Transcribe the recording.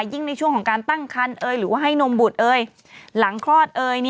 ยิ่งในช่วงของการตั้งคันหรือว่าให้นมบุตรเอ่ยหลังคลอดเอย